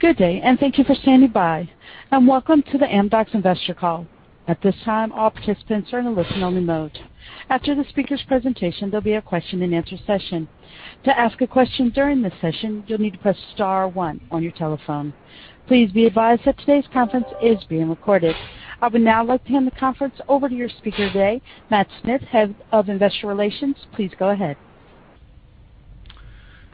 Good day, and thank you for standing by. And welcome to the Amdocs Investor Call. At this time, all participants are in listen-only mode. After the speaker's presentation, there will be a question-and-answer session. To ask a question during this session, you'll need to press star one on your telephone. Please be advised that today's conference is being recorded. I will now like to turn the conference over to your speaker today, Matt Smith, Head of Investor Relations. Please go ahead.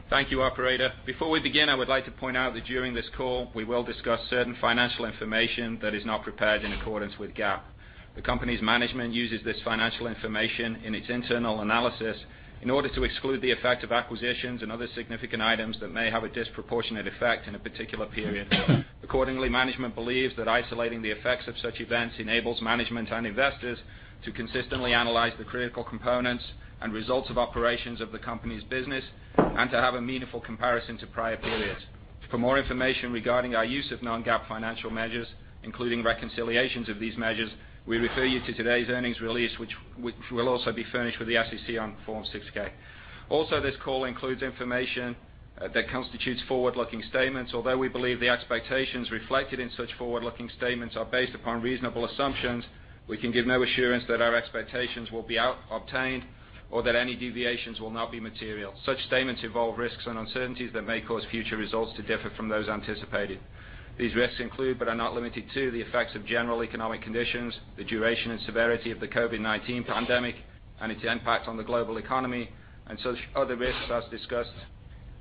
Thank you, operator. Before we begin, I would like to point out that during this call, we will discuss certain financial information that is not prepared in accordance with GAAP. The company's management uses this financial information in its internal analysis in order to exclude the effect of acquisitions and other significant items that may have a disproportionate effect in a particular period. Accordingly, management believes that isolating the effects of such events enables management and investors to consistently analyze the critical components and results of operations of the company's business and to have a meaningful comparison to prior periods. For more information regarding our use of non-GAAP financial measures, including reconciliations of these measures, we refer you to today's earnings release, which will also be furnished with the SEC on Form 6-K. This call includes information that constitutes forward-looking statements. Although we believe the expectations reflected in such forward-looking statements are based upon reasonable assumptions, we can give no assurance that our expectations will be obtained or that any deviations will not be material. Such statements involve risks and uncertainties that may cause future results to differ from those anticipated. These risks include, but are not limited to, the effects of general economic conditions, the duration and severity of the COVID-19 pandemic and its impact on the global economy, and such other risks as discussed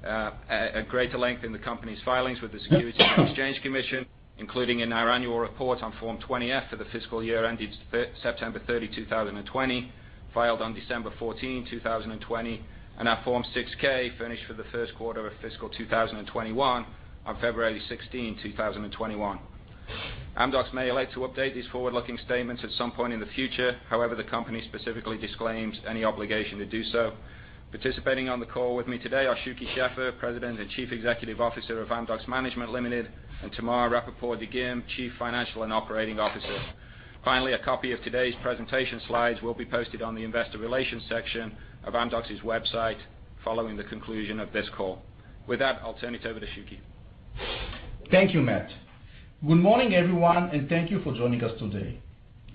at greater length in the company's filings with the Securities and Exchange Commission, including in our annual report on Form 20-F for the fiscal year ended September 30, 2020, filed on December 14, 2020, and our Form 6-K furnished for the first quarter of fiscal 2021 on February 16, 2021. Amdocs may elect to update these forward-looking statements at some point in the future. However, the company specifically disclaims any obligation to do so. Participating on the call with me today are Shuky Sheffer, President and Chief Executive Officer of Amdocs Management Limited, and Tamar Rapaport-Dagim, Chief Financial and Operating Officer. A copy of today's presentation slides will be posted on the investor relations section of Amdocs' website following the conclusion of this call. With that, I'll turn it over to Shuky. Thank you, Matt. Good morning, everyone, and thank you for joining us today.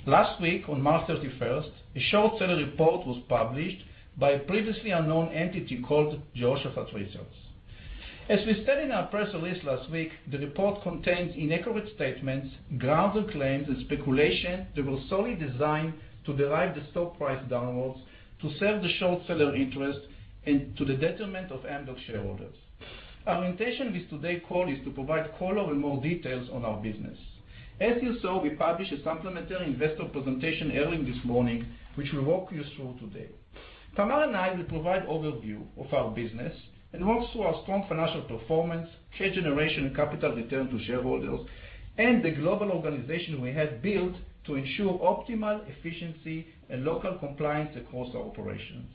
Last week, on March 31st, a short seller report was published by a previously unknown entity called Jehoshaphat Research. As we said in our press release last week, the report contains inaccurate statements, unfounded claims, and speculation that were solely designed to drive the stock price downwards to serve the short seller interest and to the detriment of Amdocs shareholders. Our intention with today's call is to provide color and more details on our business. As you saw, we published a supplementary investor presentation early this morning, which we'll walk you through today. Tamar and I will provide overview of our business and walk through our strong financial performance, cash generation, capital return to shareholders, and the global organization we have built to ensure optimal efficiency and local compliance across our operations.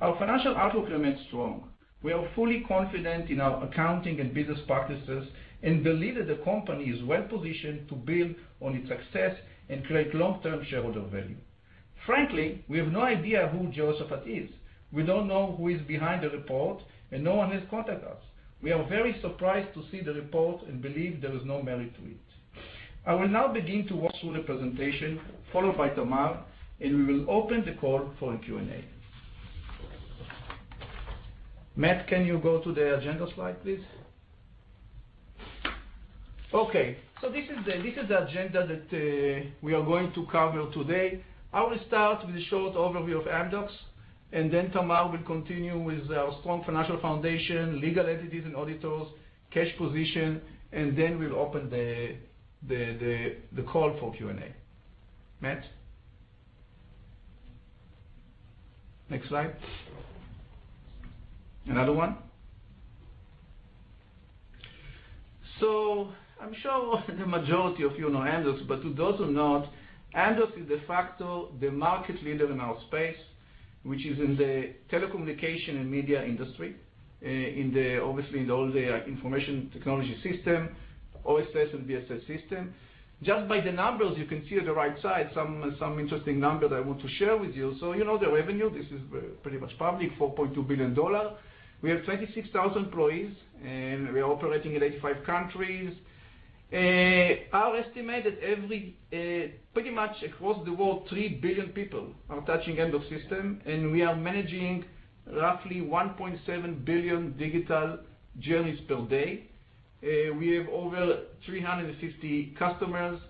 Our financial outlook remains strong. We are fully confident in our accounting and business practices and believe that the company is well-positioned to build on its success and create long-term shareholder value. Frankly, we have no idea who Jehoshaphat is. We don't know who is behind the report, and no one has contacted us. We are very surprised to see the report and believe there is no merit to it. I will now begin to walk through the presentation, followed by Tamar. We will open the call for a Q&A. Matthew, can you go to the agenda slide, please? Okay, this is the agenda that we are going to cover today. I will start with a short overview of Amdocs. Tamar will continue with our strong financial foundation, legal entities and auditors, cash position. We'll open the call for Q&A. Matthew? Next slide. Another one. I'm sure the majority of you know Amdocs, but to those who don't, Amdocs is de facto the market leader in our space, which is in the telecommunication and media industry, obviously in all the information technology system, OSS and BSS system. Just by the numbers, you can see at the right side some interesting numbers I want to share with you. You know the revenue, this is pretty much public, $4.2 billion. We have 26,000 employees, and we are operating in 85 countries. Our estimate that every, pretty much across the world, 3 billion people are touching Amdocs system, and we are managing roughly 1.7 billion digital journeys per day. We have over 350 customers,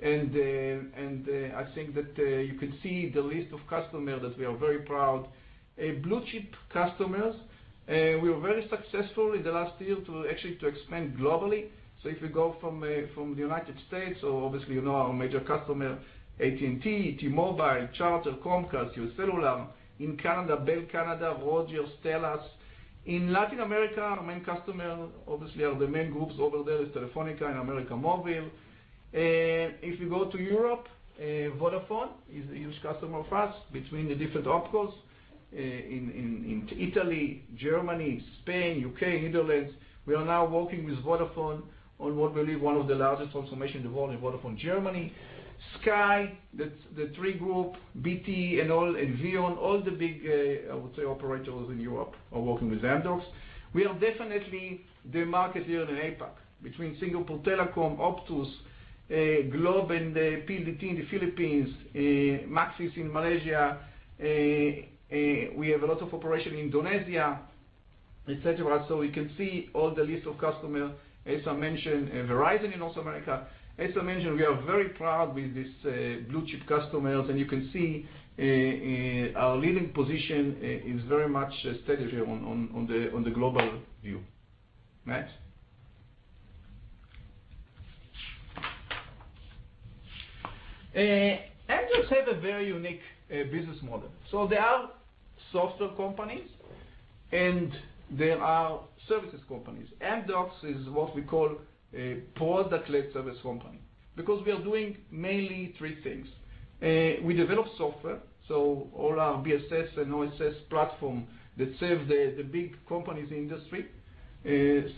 and I think that you can see the list of customers that we are very proud. Blue-chip customers. We were very successful in the last year to actually expand globally. If you go from the U.S., or obviously you know our major customer, AT&t, T-Mobile, Charter, Comcast, UScellular. In Canada, Bell Canada, Rogers, Telus. In Latin America, our main customer obviously are the main groups over there is Telefónica and América Móvil. If you go to Europe, Vodafone is a huge customer of ours between the different opcos. In Italy, Germany, Spain, U.K., Netherlands, we are now working with Vodafone on what we believe one of the largest transformations in the world in Vodafone Germany. Sky, the Three Group, BT, and all, and VEON, all the big, I would say, operators in Europe are working with Amdocs. We are definitely the market leader in APAC, between Singtel, Optus, Globe, and PLDT in the Philippines, Maxis in Malaysia. We have a lot of operation in Indonesia, et cetera. We can see all the list of customer. As I mentioned, Verizon in North America. As I mentioned, we are very proud with these blue-chip customers, and you can see our leading position is very much steady here on the global view. Next. Amdocs has a very unique business model. There are software companies and there are services companies. Amdocs is what we call a product-led service company, because we are doing mainly three things. We develop software, so all our BSS and OSS platform that serve the big companies in industry. This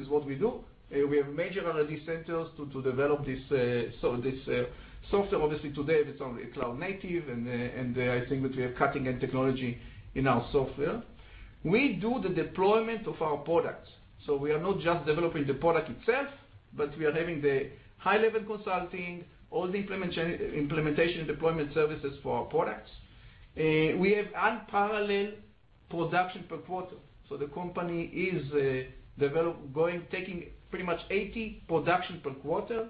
is what we do. We have major R&D centers to develop this software. Obviously, today, it's only cloud native, and I think that we have cutting-edge technology in our software. We do the deployment of our products. We are not just developing the product itself, but we are having the high-level consulting, all the implementation, deployment services for our products. We have unparalleled production per quarter. The company is taking pretty much 80 production per quarter,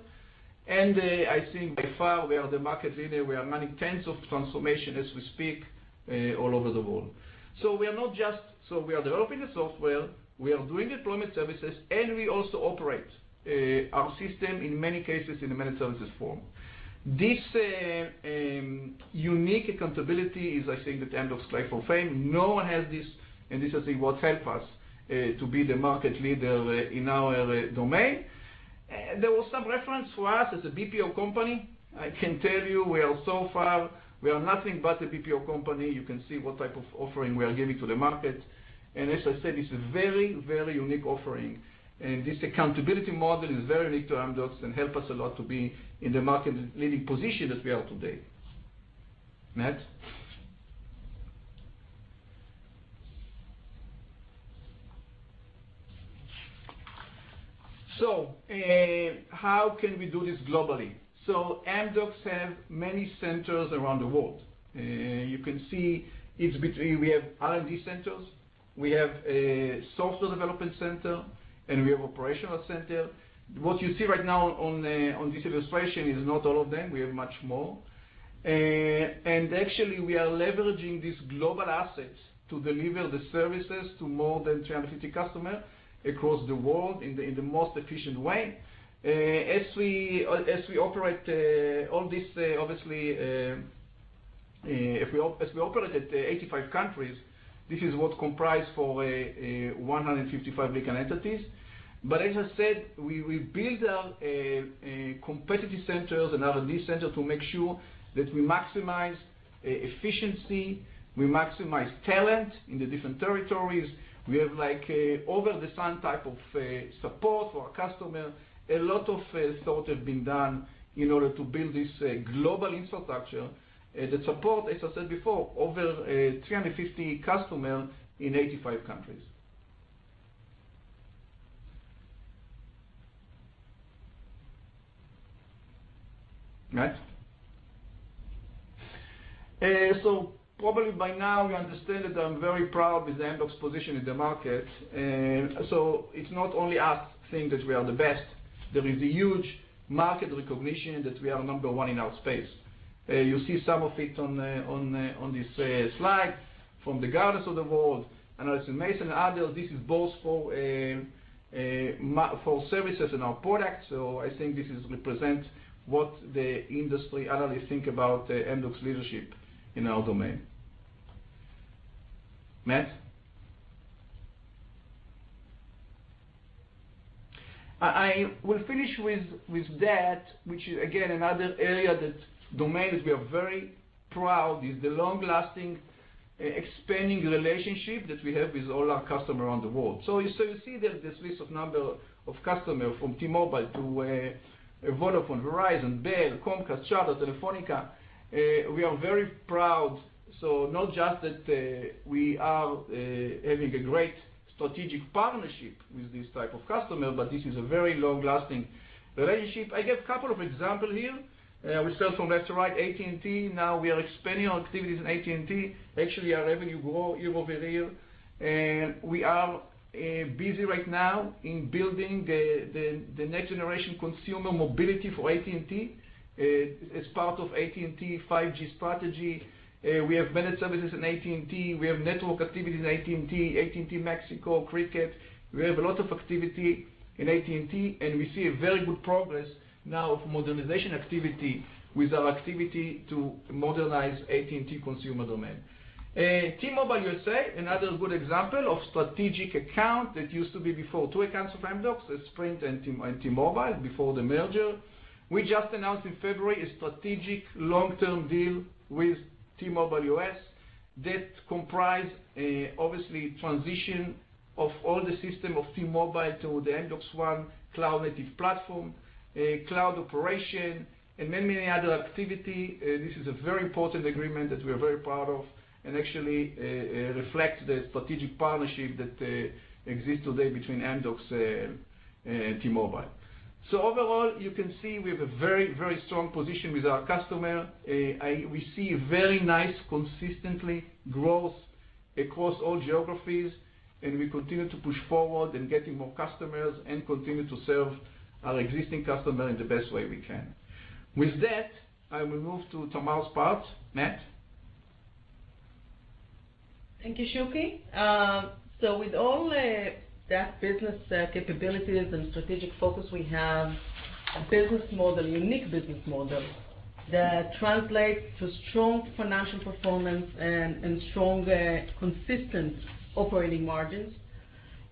and I think by far, we are the market leader. We are managing tens of transformation as we speak all over the world. We are developing the software, we are doing deployment services, and we also operate our system, in many cases, in a managed services form. This unique accountability is, I think, the Amdocs' rightful fame. No one has this, and this is, I think, what help us to be the market leader in our domain. There was some reference for us as a BPO company. I can tell you, we are so far, we are nothing but a BPO company. You can see what type of offering we are giving to the market. As I said, it's a very, very unique offering. This accountability model is very linked to Amdocs and help us a lot to be in the market-leading position that we are today. Next. How can we do this globally? Amdocs have many centers around the world. You can see we have R&D centers, we have a software development center, and we have operational center. What you see right now on this illustration is not all of them. We have much more. Actually, we are leveraging these global assets to deliver the services to more than 350 customer across the world in the most efficient way. As we operate at 85 countries, this is what comprise for 155 legal entities. As I said, we build our competitive centers and R&D center to make sure that we maximize efficiency, we maximize talent in the different territories. We have follow-the-sun type of support for our customer. A lot of thought have been done in order to build this global infrastructure that support, as I said before, over 350 customer in 85 countries. Next. Probably by now, you understand that I'm very proud with Amdocs' position in the market. It's not only us think that we are the best. There is a huge market recognition that we are number one in our space. You see some of it on this slide from the gurus of the world, Analysys Mason and others. This is both for services and our product. I think this represent what the industry analysts think about Amdocs' leadership in our domain. Next. I will finish with that, which is again, another area, that domain that we are very proud, is the long-lasting, expanding relationship that we have with all our customer around the world. You see that this list of number of customer, from T-Mobile to Vodafone, Verizon, Bell, Comcast, Charter, Telefónica. We are very proud. Not just that we are having a great strategic partnership with these type of customer, but this is a very long-lasting relationship. I give couple of example here. We start from left to right, AT&T. We are expanding our activities in AT&T. Actually, our revenue grow year-over-year. We are busy right now in building the next-generation consumer mobility for AT&T as part of AT&T 5G strategy. We have managed services in AT&T. We have network activities in AT&T, AT&T Mexico, Cricket. We have a lot of activity in AT&T, and we see a very good progress now of modernization activity with our activity to modernize AT&T consumer domain. T-Mobile US, another good example of strategic account that used to be before two accounts of Amdocs, Sprint and T-Mobile, before the merger. We just announced in February a strategic long-term deal with T-Mobile US. That comprise, obviously, transition of all the system of T-Mobile to the AmdocsONE cloud-native platform, cloud operation, and many other activity. This is a very important agreement that we are very proud of and actually reflects the strategic partnership that exists today between Amdocs and T-Mobile. Overall, you can see we have a very strong position with our customer. We see very nice, consistently, growth across all geographies, and we continue to push forward in getting more customers and continue to serve our existing customer in the best way we can. With that, I will move to Tamar's part. Thank you, Shuky. With all that business capabilities and strategic focus, we have a business model, unique business model, that translates to strong financial performance and strong, consistent operating margins.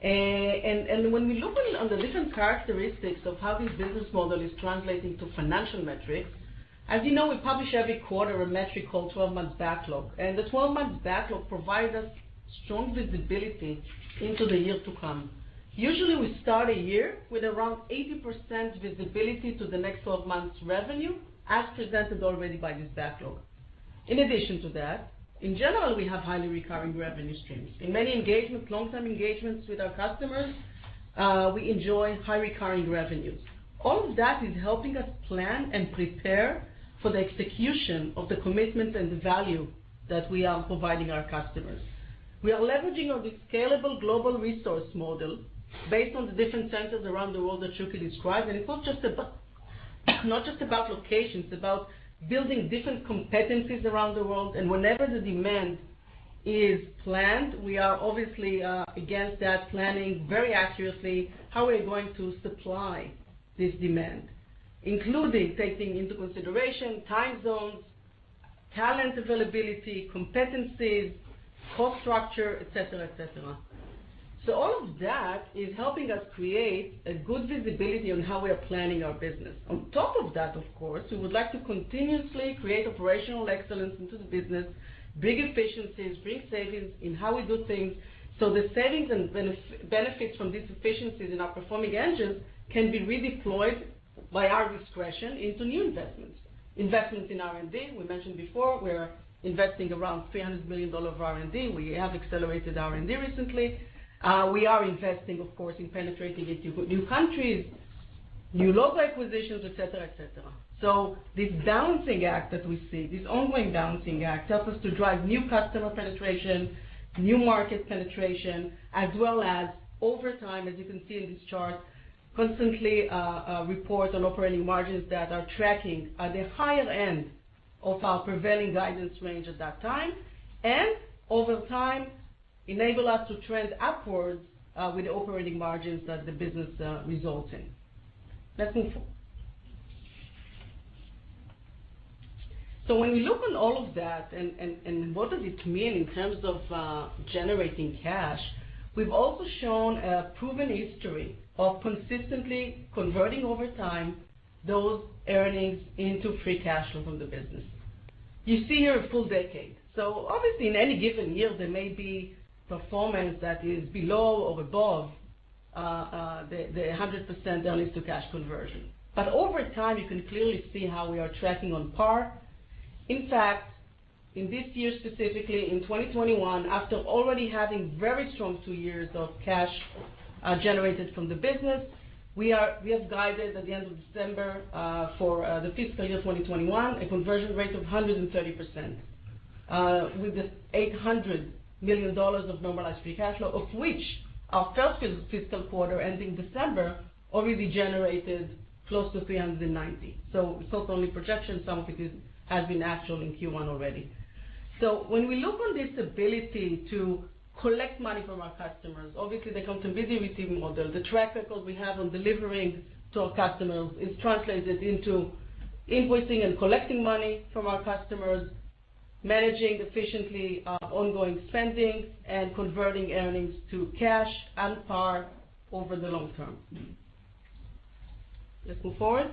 When we look on the different characteristics of how this business model is translating to financial metrics, as you know, we publish every quarter a metric called 12-month backlog, and the 12-month backlog provide us strong visibility into the year to come. Usually, we start a year with around 80% visibility to the next 12 months' revenue, as presented already by this backlog. In addition to that, in general, we have highly recurring revenue streams. In many engagements, long-term engagements with our customers, we enjoy high recurring revenues. All of that is helping us plan and prepare for the execution of the commitment and the value that we are providing our customers. We are leveraging on this scalable global resource model based on the different centers around the world that Shuky described. It's not just about locations, about building different competencies around the world, whenever the demand is planned, we are obviously against that, planning very accurately how we are going to supply this demand, including taking into consideration time zones, talent availability, competencies, cost structure, et cetera. All of that is helping us create a good visibility on how we are planning our business. On top of that, of course, we would like to continuously create operational excellence into the business, bring efficiencies, bring savings in how we do things, so the savings and benefits from these efficiencies in our performing engines can be redeployed by our discretion into new investments. Investments in R&D, we mentioned before, we are investing around $300 million of R&D. We have accelerated R&D recently. We are investing, of course, in penetrating into new countries, new local acquisitions, et cetera. This balancing act that we see, this ongoing balancing act, helps us to drive new customer penetration, new market penetration, as well as over time, as you can see in this chart, constantly report on operating margins that are tracking at the higher end of our prevailing guidance range at that time, and over time, enable us to trend upwards with the operating margins that the business results in. Let's move forward. When we look on all of that and what does it mean in terms of generating cash, we've also shown a proven history of consistently converting, over time, those earnings into free cash flow from the business. You see here a full decade. Obviously, in any given year, there may be performance that is below or above the 100% earnings to cash conversion. Over time, you can clearly see how we are tracking on par. In fact, in this year, specifically, in 2021, after already having very strong two years of cash generated from the business, we have guided at the end of December, for the fiscal year 2021, a conversion rate of 130%, with the $800 million of normalized free cash flow, of which our first fiscal quarter ending December already generated close to $390 million. It's also only projection, some of it is has been actual in Q1 already. When we look on this ability to collect money from our customers, obviously, the continuity receiving model, the track record we have on delivering to our customers is translated into invoicing and collecting money from our customers, managing efficiently ongoing spendings, and converting earnings to cash and par over the long term. Let's move forward.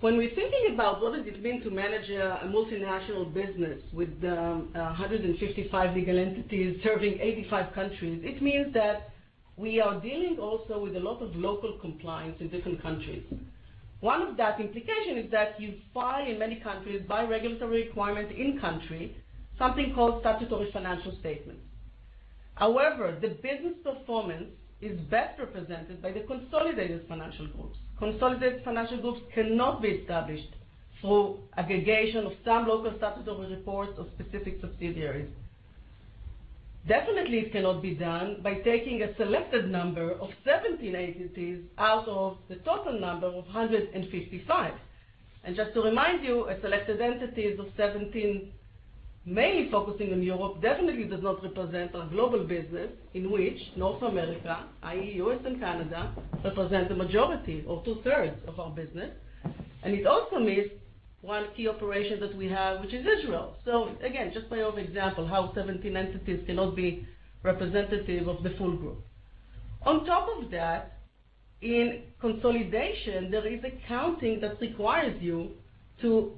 When we're thinking about what does it mean to manage a multinational business with 155 legal entities serving 85 countries, it means that we are dealing also with a lot of local compliance in different countries. One of that implication is that you file, in many countries, by regulatory requirement in country, something called statutory financial statements. The business performance is best represented by the consolidated financial groups. Consolidated financial groups cannot be established through aggregation of some local statutory reports of specific subsidiaries. Definitely, it cannot be done by taking a selected number of 17 entities out of the total number of 155. Just to remind you, a selected entities of 17, mainly focusing on Europe, definitely does not represent our global business in which North America, i.e. U.S. and Canada, represent the majority or 2/3 of our business. It also miss one key operation that we have, which is Israel. Again, just by your example, how 17 entities cannot be representative of the full group. On top of that, in consolidation, there is accounting that requires you to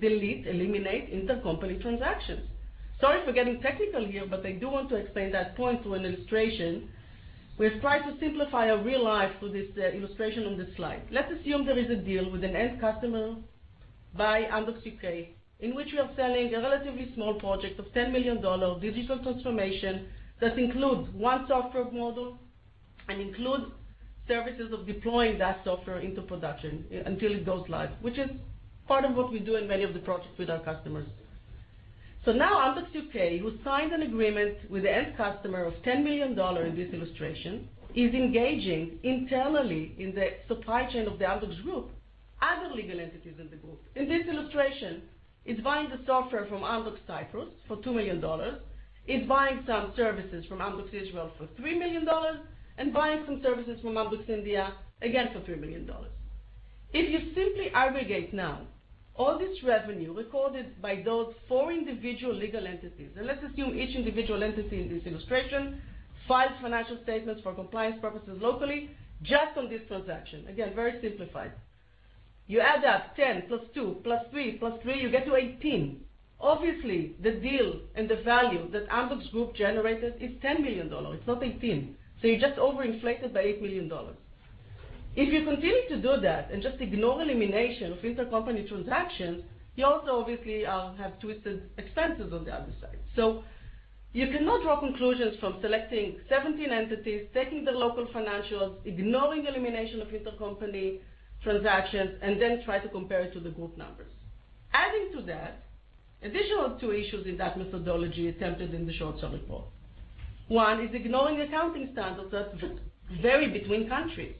delete, eliminate intercompany transactions. Sorry for getting technical here, but I do want to explain that point through an illustration. We have tried to simplify a real life through this illustration on this slide. Let's assume there is a deal with an end customer by Amdocs U.K., in which we are selling a relatively small project of $10 million digital transformation that includes one software module and include services of deploying that software into production until it goes live, which is part of what we do in many of the projects with our customers. Now Amdocs U.K., who signed an agreement with the end customer of $10 million in this illustration, is engaging internally in the supply chain of the Amdocs Group, other legal entities in the group. In this illustration, it's buying the software from Amdocs Cyprus for $2 million. It's buying some services from Amdocs Israel for $3 million and buying some services from Amdocs India, again, for $3 million. If you simply aggregate now all this revenue recorded by those four individual legal entities, and let's assume each individual entity in this illustration files financial statements for compliance purposes locally, just on this transaction. Again, very simplified. You add up 10 + 2 + 3 + 3, you get to 18. Obviously, the deal and the value that Amdocs Group generated is $10 million. It's not 18. You just overinflated by $8 million. If you continue to do that and just ignore elimination of intercompany transactions, you also obviously have twisted expenses on the other side. You cannot draw conclusions from selecting 17 entities, taking the local financials, ignoring elimination of intercompany transactions, and then try to compare it to the group numbers. Adding to that, additional two issues in that methodology attempted in the short seller report. One, is ignoring accounting standards that vary between countries.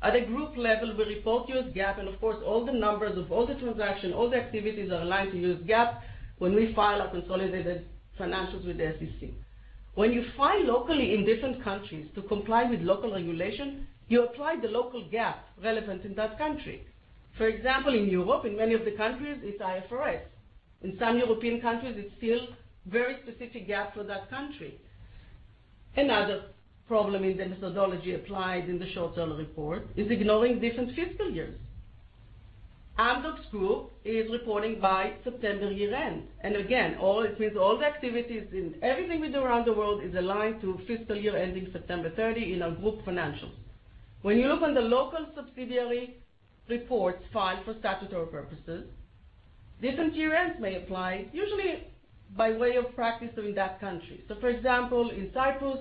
At a group level, we report US GAAP. Of course, all the numbers of all the transactions, all the activities are aligned to US GAAP when we file our consolidated financials with the SEC. When you file locally in different countries to comply with local regulation, you apply the local GAAP relevant in that country. For example, in Europe, in many of the countries, it's IFRS. In some European countries, it's still very specific GAAP for that country. Another problem in the methodology applied in the short seller report is ignoring different fiscal years. Amdocs Group is reporting by September year-end. Again, it means all the activities and everything we do around the world is aligned to fiscal year ending September 30 in our group financials. When you look on the local subsidiary reports filed for statutory purposes, different year-ends may apply, usually by way of practice in that country. For example, in Cyprus,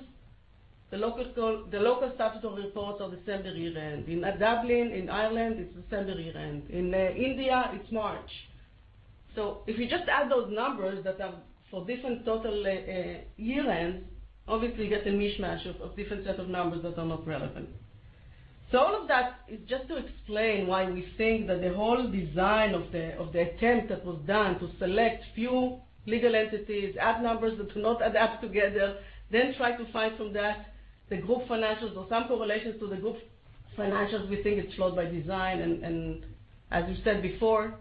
the local statutory reports are December year-end. In Dublin, in Ireland, it's December year-end. In India, it's March. If you just add those numbers that are for different total year-ends, obviously, you get a mishmash of different set of numbers that are not relevant. All of that is just to explain why we think that the whole design of the attempt that was done to select few legal entities, add numbers that do not add up together, then try to find from that the group financials or some correlations to the group financials, we think it's flawed by design. As we said before,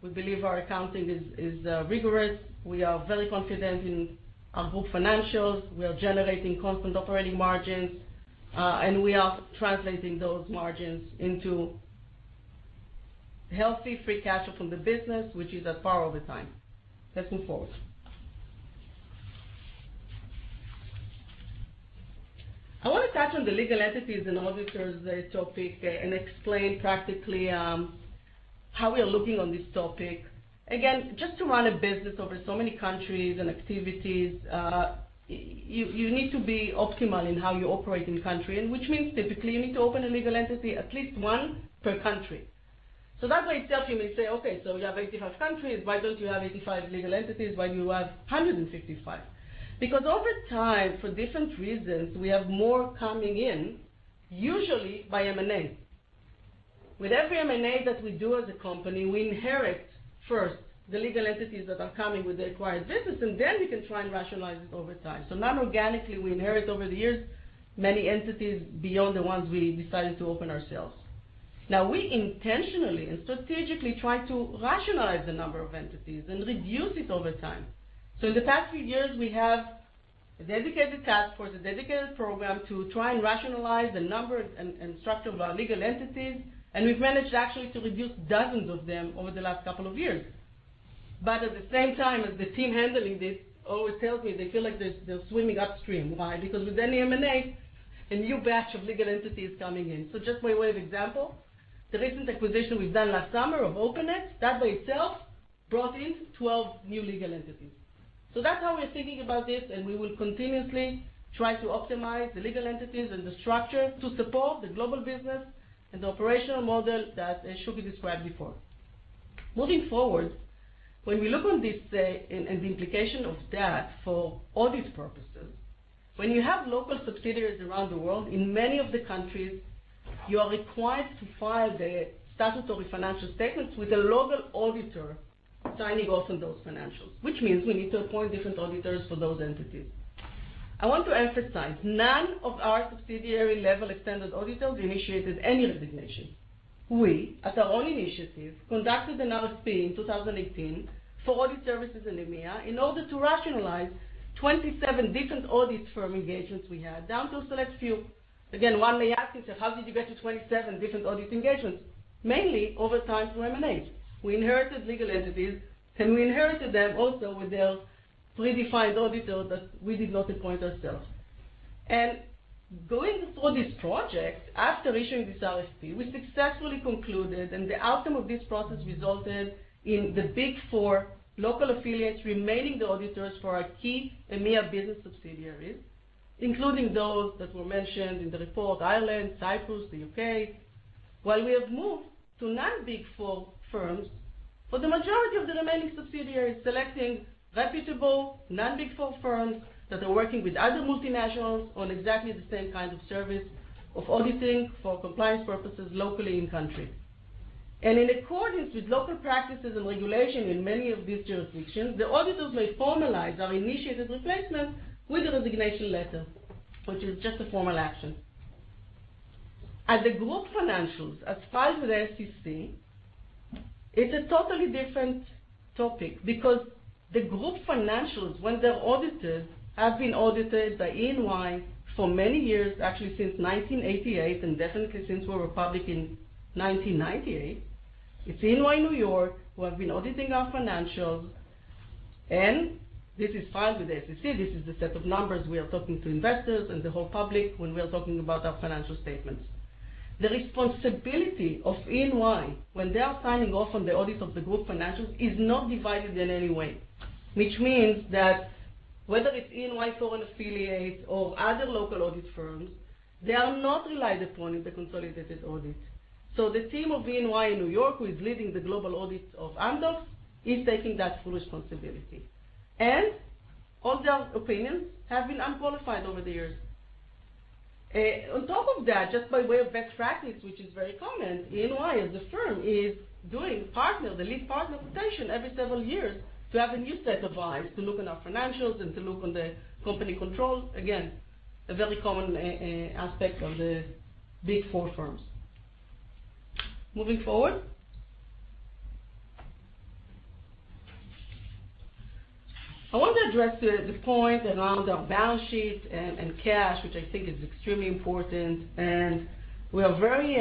we believe our accounting is rigorous. We are very confident in our group financials. We are generating constant operating margins, we are translating those margins into healthy free cash flow from the business, which is at par all the time. Let's move forward. I want to touch on the legal entities and auditors topic and explain practically how we are looking on this topic. Again, just to run a business over so many countries and activities, you need to be optimal in how you operate in country, and which means typically, you need to open a legal entity, at least one per country. That by itself, you may say, "Okay, so you have 85 countries. Why don't you have 85 legal entities? Why you have 155?" Because over time, for different reasons, we have more coming in, usually by M&A. With every M&A that we do as a company, we inherit first the legal entities that are coming with the acquired business, and then we can try and rationalize it over time. Non-organically, we inherit over the years, many entities beyond the ones we decided to open ourselves. We intentionally and strategically try to rationalize the number of entities and reduce it over time. In the past few years, we have a dedicated task force, a dedicated program to try and rationalize the numbers and structure of our legal entities, and we've managed actually to reduce dozens of them over the last couple of years. At the same time, as the team handling this always tells me they feel like they're swimming upstream. Why? Because with any M&A, a new batch of legal entities coming in. Just by way of example, the recent acquisition we've done last summer of Openet, that by itself brought in 12 new legal entities. That's how we're thinking about this, and we will continuously try to optimize the legal entities and the structure to support the global business and the operational model that Shuky described before. Moving forward, when we look on this and the implication of that for audit purposes, when you have local subsidiaries around the world, in many of the countries, you are required to file the statutory financial statements with a local auditor signing off on those financials, which means we need to appoint different auditors for those entities. I want to emphasize, none of our subsidiary level extended auditors initiated any resignation. We, at our own initiative, conducted an RFP in 2018 for audit services in EMEA in order to rationalize 27 different audit firm engagements we had down to a select few. Again, one may ask itself, how did you get to 27 different audit engagements? Mainly over time through M&As. We inherited legal entities, and we inherited them also with their predefined auditor that we did not appoint ourselves. Going through this project, after issuing this RFP, we successfully concluded, and the outcome of this process resulted in the Big Four local affiliates remaining the auditors for our key EMEA business subsidiaries, including those that were mentioned in the report, Ireland, Cyprus, the U.K. While we have moved to non-Big Four firms, for the majority of the remaining subsidiaries, selecting reputable, non-Big Four firms that are working with other multinationals on exactly the same kind of service of auditing for compliance purposes locally in country. In accordance with local practices and regulation in many of these jurisdictions, the auditors may formalize our initiated replacement with a resignation letter, which is just a formal action. As a group financials, as filed with the SEC, it's a totally different topic because the group financials, when they're audited, have been audited by EY for many years, actually since 1988, and definitely since we're public in 1998. It's EY New York who have been auditing our financials, and this is filed with the SEC. This is the set of numbers we are talking to investors and the whole public when we are talking about our financial statements. The responsibility of EY when they are signing off on the audit of the group financials is not divided in any way, which means that whether it's EY foreign affiliate or other local audit firms, they are not relied upon in the consolidated audit. The team of EY in New York, who is leading the global audit of Amdocs, is taking that full responsibility, and all their opinions have been unqualified over the years. On top of that, just by way of best practice, which is very common, EY as a firm is doing the lead partner rotation every several years to have a new set of eyes to look on our financials and to look on the company controls. Again, a very common aspect of the Big Four firms. Moving forward. I want to address the point around our balance sheet and cash, which I think is extremely important, and we are very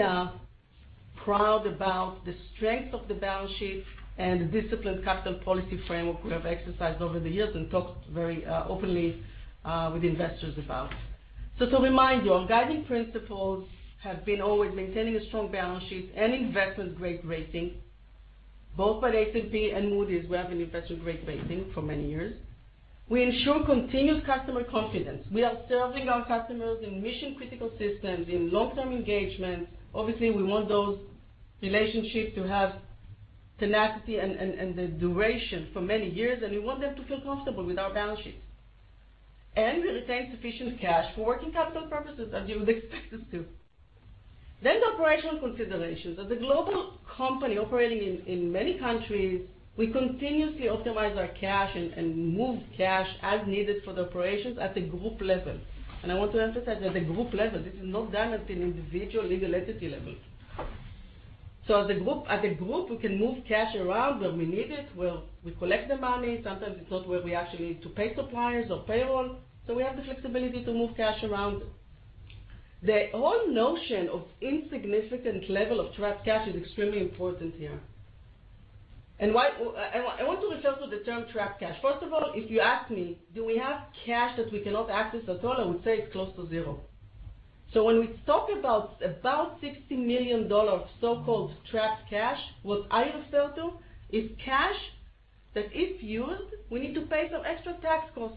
proud about the strength of the balance sheet and the disciplined capital policy framework we have exercised over the years and talked very openly with investors about. To remind you, our guiding principles have been always maintaining a strong balance sheet and investment-grade rating, both by S&P and Moody's, we have an investment-grade rating for many years. We ensure continuous customer confidence. We are serving our customers in mission-critical systems, in long-term engagements. Obviously, we want those relationships to have tenacity and the duration for many years, and we want them to feel comfortable with our balance sheet. And we retain sufficient cash for working capital purposes, as you would expect us to. The operational considerations. As a global company operating in many countries, we continuously optimize our cash and move cash as needed for the operations at the group level. I want to emphasize at the group level, this is not done at an individual legal entity level. As a group, we can move cash around where we need it, where we collect the money. Sometimes it's not where we actually need to pay suppliers or payroll, so we have the flexibility to move cash around. The whole notion of insignificant level of trapped cash is extremely important here. I want to refer to the term trapped cash. First of all, if you ask me, do we have cash that we cannot access at all? I would say it's close to zero. When we talk about $60 million of so-called trapped cash, what I refer to is cash that if used, we need to pay some extra tax cost.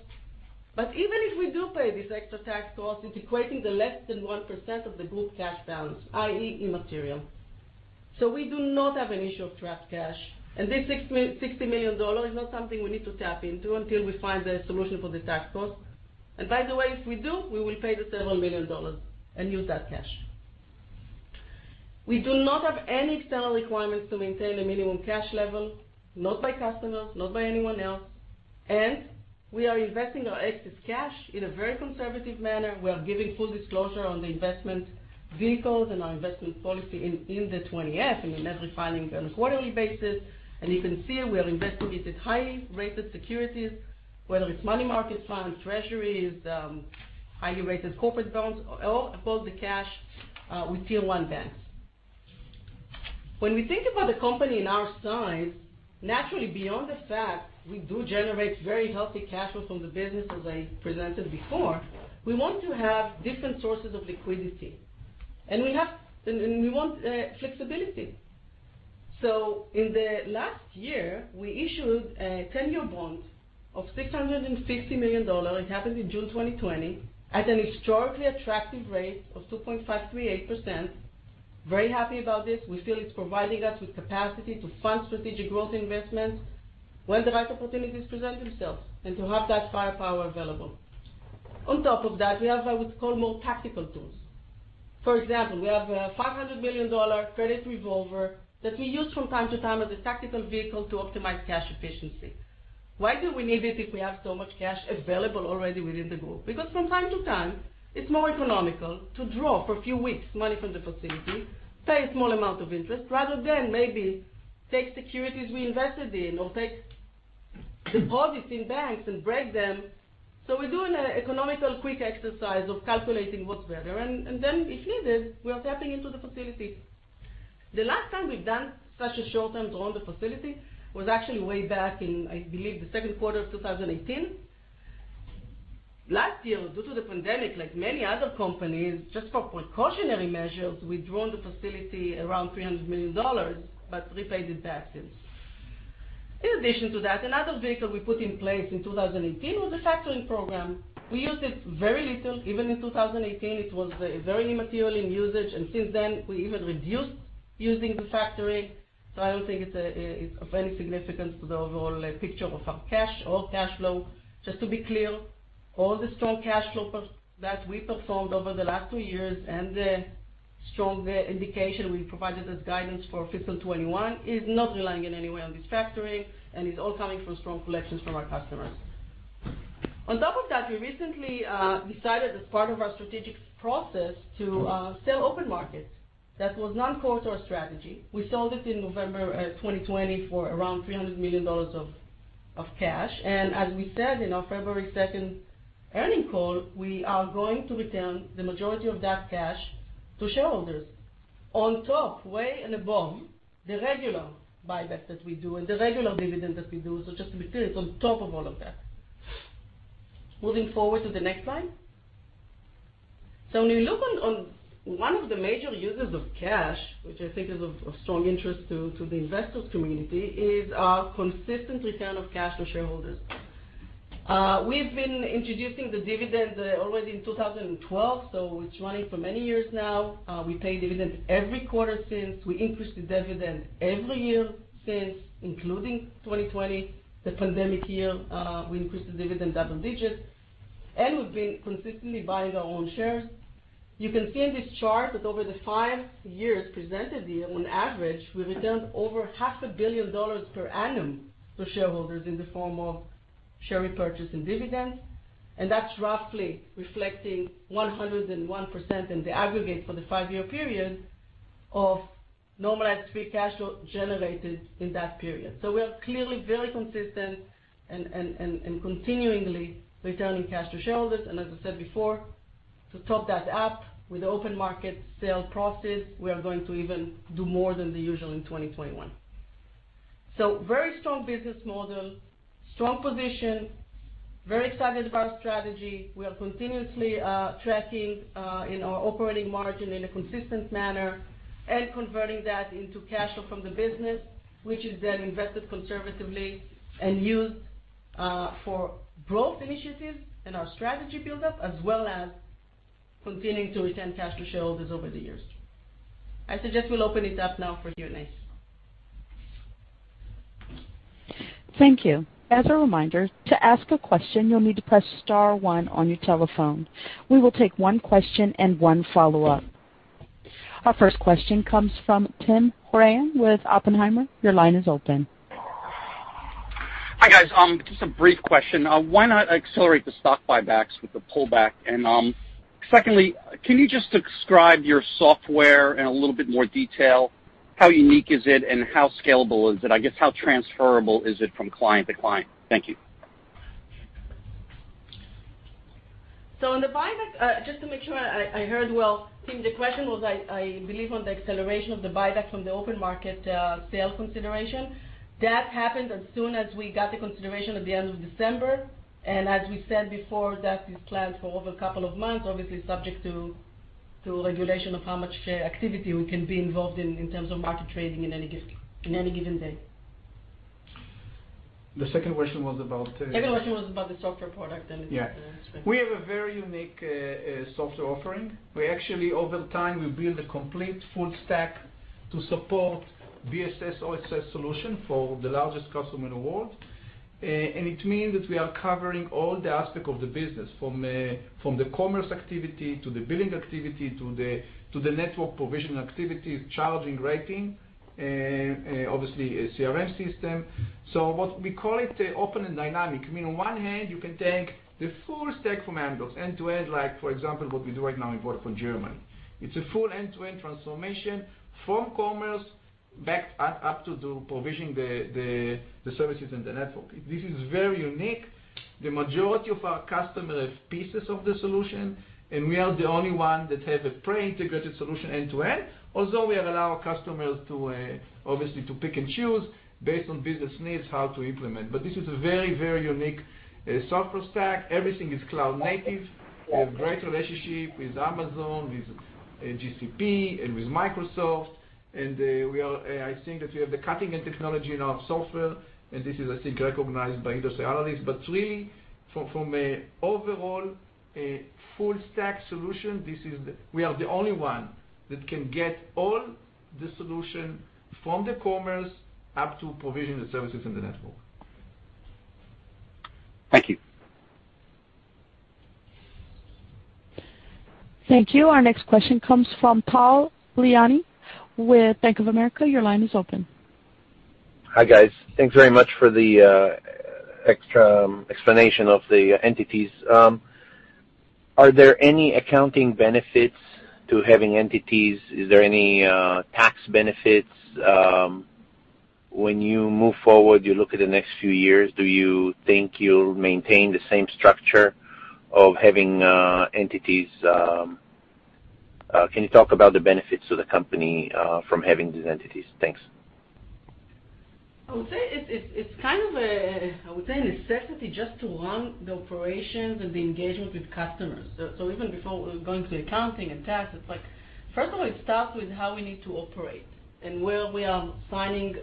Even if we do pay this extra tax cost, it's equating the less than 1% of the group cash balance, i.e., immaterial. We do not have an issue of trapped cash, and this $60 million is not something we need to tap into until we find a solution for the tax cost. By the way, if we do, we will pay the several million dollars and use that cash. We do not have any external requirements to maintain a minimum cash level, not by customers, not by anyone else. We are investing our excess cash in a very conservative manner. We are giving full disclosure on the investment vehicles and our investment policy in the 20-F, we're never filing it on a quarterly basis. You can see we are investing it in highly rated securities, whether it's money market funds, treasuries, highly rated corporate bonds, or above the cash with Tier 1 banks. When we think about the company in our size, naturally, beyond the fact we do generate very healthy cash flow from the business, as I presented before, we want to have different sources of liquidity. We want flexibility. In the last year, we issued a 10-year bond of $660 million. It happened in June 2020 at an extraordinarily attractive rate of 2.538%. Very happy about this. We feel it's providing us with capacity to fund strategic growth investments when the right opportunities present themselves and to have that firepower available. On top of that, we have what's called more tactical tools. For example, we have a $500 million credit revolver that we use from time to time as a tactical vehicle to optimize cash efficiency. Why do we need it if we have so much cash available already within the group? Because from time to time, it's more economical to draw for a few weeks money from the facility, pay a small amount of interest, rather than maybe take securities we invested in or take deposits in banks and break them. We're doing an economical quick exercise of calculating what's better. Then if needed, we are tapping into the facility. The last time we've done such a short-term draw on the facility was actually way back in, I believe, the second quarter of 2018. Last year, due to the pandemic, like many other companies, just for precautionary measures, we drawn the facility around $300 million, but repaid it back since. In addition to that, another vehicle we put in place in 2018 was the factoring program. We used it very little, even in 2018. It was very immaterial in usage, and since then we even reduced using the factoring, so I don't think it's of any significance to the overall picture of our cash or cash flow. Just to be clear, all the strong cash flow that we performed over the last two years and the strong indication we provided as guidance for fiscal 2021 is not relying in any way on this factoring, and it's all coming from strong collections from our customers. On top of that, we recently decided as part of our strategic process to sell OpenMarket. That was non-core to our strategy. We sold it in November 2020 for around $300 million of cash. As we said in our February 2nd earnings call, we are going to return the majority of that cash to shareholders. On top, way and above the regular buyback that we do and the regular dividend that we do. Just to be clear, it's on top of all of that. Moving forward to the next slide. When you look on one of the major users of cash, which I think is of strong interest to the investors' community, is our consistent return of cash to shareholders. We've been introducing the dividend already in 2012, so it's running for many years now. We pay dividends every quarter since. We increase the dividend every year since, including 2020, the pandemic year, we increased the dividend double digits, and we've been consistently buying our own shares. You can see in this chart that over the 5 years presented here, on average, we returned over half a billion dollars per annum to shareholders in the form of share repurchase and dividends. That's roughly reflecting 101% in the aggregate for the 5-year period of normalized free cash flow generated in that period. We are clearly very consistent and continuingly returning cash to shareholders. As I said before, to top that up with the open market sale process, we are going to even do more than the usual in 2021. Very strong business model, strong position, very excited about our strategy. We are continuously tracking in our operating margin in a consistent manner and converting that into cash flow from the business, which is then invested conservatively and used for growth initiatives and our strategy buildup, as well as continuing to return cash to shareholders over the years. I suggest we will open it up now for Q&A. Thank you. As a reminder, to ask a question, you'll need to press star one on your telephone. We will take one question and one follow-up. Our first question comes from Tim Horan with Oppenheimer. Your line is open. Hi, guys. Just a brief question. Why not accelerate the stock buybacks with the pullback? Secondly, can you just describe your software in a little bit more detail? How unique is it and how scalable is it? I guess, how transferable is it from client to client? Thank you. On the buyback, just to make sure I heard well, Tim, the question was, I believe, on the acceleration of the buyback from the open market sale consideration. That happened as soon as we got the consideration at the end of December. As we said before, that is planned for over a couple of months, obviously subject to regulation of how much activity we can be involved in terms of market trading in any given day. The second question was about. Second question was about the software product. Yeah. We have a very unique software offering. We actually, over time, build a complete full stack to support BSS, OSS solution for the largest customer in the world. It means that we are covering all the aspects of the business, from the commerce activity to the billing activity, to the network provision activity, charging, rating, obviously a CRM system. What we call it open and dynamic, means on one hand, you can take the full stack from Amdocs end-to-end, like for example, what we do right now in Vodafone Germany. It's a full end-to-end transformation from commerce back up to the provisioning the services in the network. This is very unique. The majority of our customers have pieces of the solution. We are the only one that have a pre-integrated solution end-to-end. We allow customers, obviously, to pick and choose based on business needs, how to implement. This is a very, very unique software stack. Everything is cloud native. We have great relationship with Amazon, with GCP and with Microsoft. I think that we have the cutting-edge technology in our software, and this is, I think, recognized by industry analysts. Really, from a overall full stack solution, we are the only one that can get all the solution from the commerce up to provisioning the services in the network. Thank you. Thank you. Our next question comes from Tal Liani with Bank of America. Your line is open. Hi, guys. Thanks very much for the extra explanation of the entities. Are there any accounting benefits to having entities? Is there any tax benefits, when you move forward, you look at the next few years, do you think you'll maintain the same structure of having entities? Can you talk about the benefits to the company, from having these entities? Thanks. I would say it's kind of a necessity just to run the operations and the engagement with customers. Even before going to accounting and tax, first of all, it starts with how we need to operate and where we are signing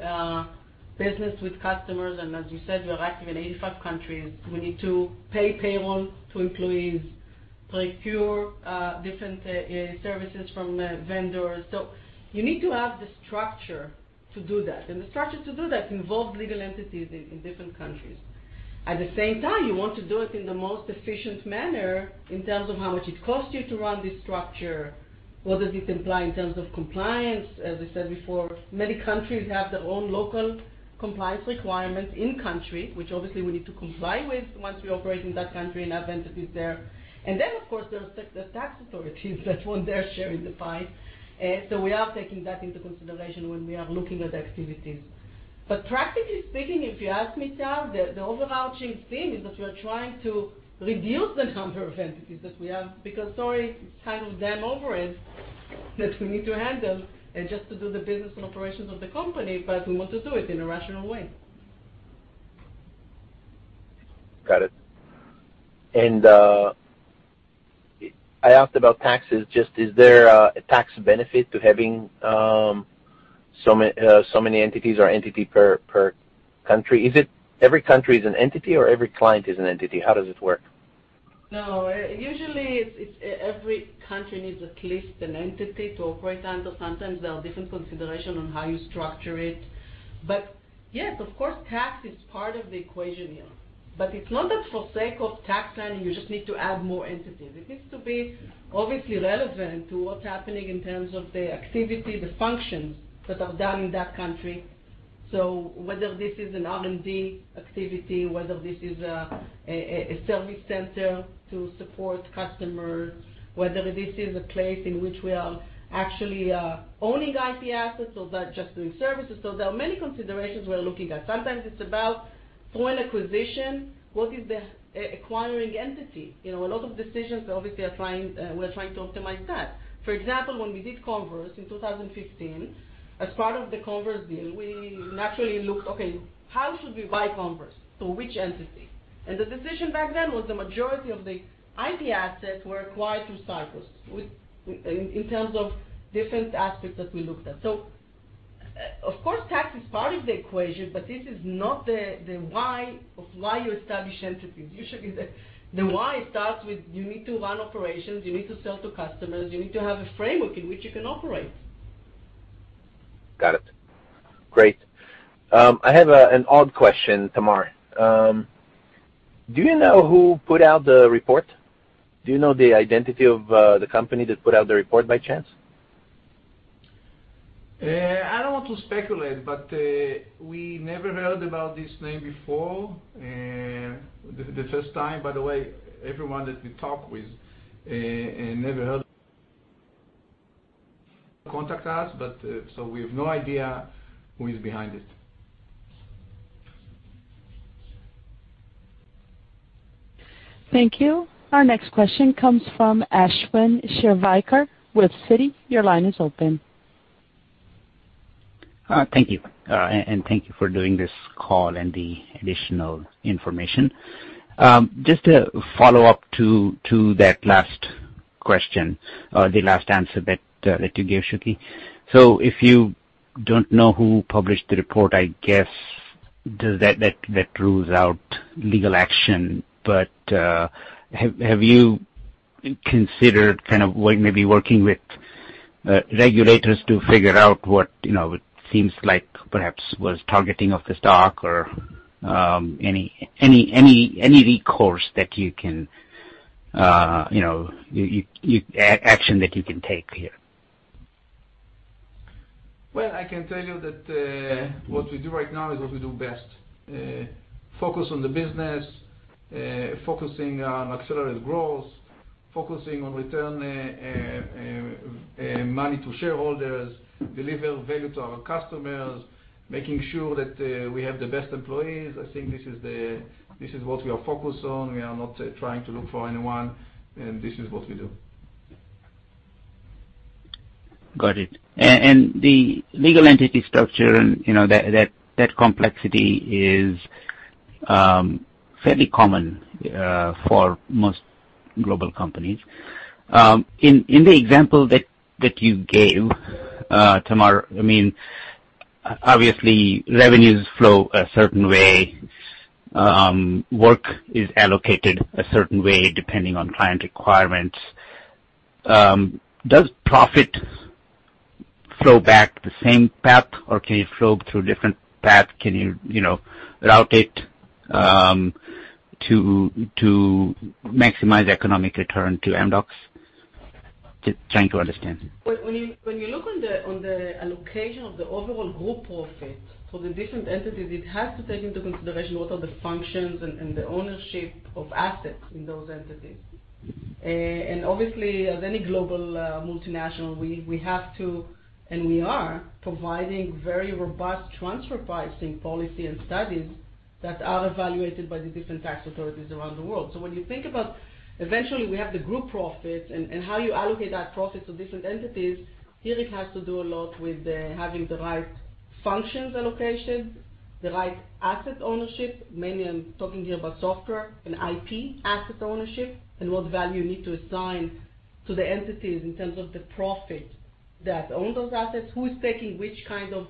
business with customers. As you said, we're active in 85 countries. We need to pay payroll to employees, procure different services from vendors. You need to have the structure to do that. The structure to do that involves legal entities in different countries. At the same time, you want to do it in the most efficient manner in terms of how much it costs you to run this structure. What does it imply in terms of compliance? As I said before, many countries have their own local compliance requirements in-country, which obviously we need to comply with once we operate in that country and have entities there. Of course, there's the tax authorities that want their share in the pie. We are taking that into consideration when we are looking at activities. Practically speaking, if you ask me, Tal, the overarching theme is that we are trying to reduce the number of entities that we have, because sorry, it's kind of over it that we need to handle and just to do the business and operations of the company, but we want to do it in a rational way. Got it. I asked about taxes, just is there a tax benefit to having so many entities or entity per country? Is it every country is an entity or every client is an entity? How does it work? No. Usually, every country needs at least an entity to operate under. Sometimes there are different considerations on how you structure it. Yes, of course, tax is part of the equation here. It's not that for sake of tax planning, you just need to add more entities. It needs to be obviously relevant to what's happening in terms of the activity, the functions that are done in that country. Whether this is an R&D activity, whether this is a service center to support customers, whether this is a place in which we are actually owning IP assets or just doing services. There are many considerations we are looking at. Sometimes it's about foreign acquisition. What is the acquiring entity? A lot of decisions, obviously, we're trying to optimize that. For example, when we did Comverse in 2015, as part of the Comverse deal, we naturally looked, okay, how should we buy Comverse? Through which entity? The decision back then was the majority of the IP assets were acquired through Cyprus, in terms of different aspects that we looked at. Of course, tax is part of the equation, but this is not the why of why you establish entities. Usually, the why starts with you need to run operations, you need to sell to customers, you need to have a framework in which you can operate. Got it. Great. I have an odd question, Tamar. Do you know who put out the report? Do you know the identity of the company that put out the report by chance? I don't want to speculate, but we never heard about this name before. The first time, by the way, everyone that we talk with never heard Jehoshaphat, so we have no idea who is behind it. Thank you. Our next question comes from Ashwin Shirvaikar with Citi. Your line is open. Thank you. Thank you for doing this call and the additional information. Just a follow-up to that last question or the last answer that you gave, Shuky. If you don't know who published the report, I guess that rules out legal action. Have you considered kind of maybe working with regulators to figure out what seems like perhaps was targeting of the stock or any recourse that you can, action that you can take here? Well, I can tell you that what we do right now is what we do best. Focus on the business, focusing on accelerated growth, focusing on return money to shareholders, deliver value to our customers, making sure that we have the best employees. I think this is what we are focused on. We are not trying to look for anyone, and this is what we do. Got it. The legal entity structure and that complexity is fairly common for most global companies. In the example that you gave, Tamar, obviously, revenues flow a certain way, work is allocated a certain way depending on client requirements. Does profit flow back the same path, or can you flow through different path? Can you route it to maximize economic return to Amdocs? Just trying to understand. When you look on the allocation of the overall group profit for the different entities, it has to take into consideration what are the functions and the ownership of assets in those entities. Obviously, as any global multinational, we have to, and we are providing very robust transfer pricing policy and studies that are evaluated by the different tax authorities around the world. When you think about, eventually, we have the group profit and how you allocate that profit to different entities, here it has to do a lot with having the right functions allocation, the right asset ownership. Mainly, I'm talking here about software and IP asset ownership and what value you need to assign to the entities in terms of the profit that own those assets, who's taking which kind of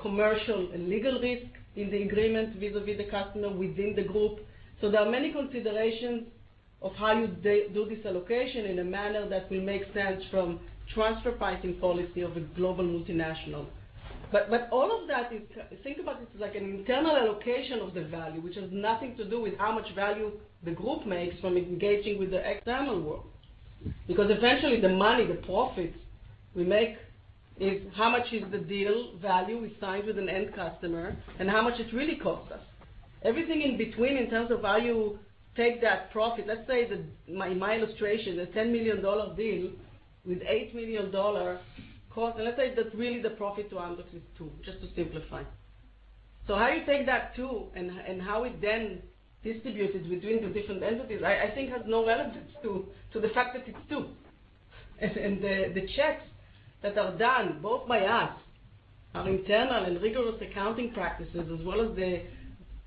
commercial and legal risk in the agreement vis-a-vis the customer within the group. There are many considerations of how you do this allocation in a manner that will make sense from transfer pricing policy of a global multinational. All of that is, think about it, like an internal allocation of the value, which has nothing to do with how much value the group makes from engaging with the external world. Eventually, the money, the profit we make is how much is the deal value we signed with an end customer and how much it really cost us. Everything in between in terms of value, take that profit. Let's say that my illustration, the $10 million deal with $8 million cost, and let's say that really the profit to Amdocs is two, just to simplify. How you take that two and how it then distributed between the different entities, I think has no relevance to the fact that it's two. The checks that are done both by us, our internal and rigorous accounting practices, as well as the